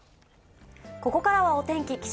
ここからはお天気。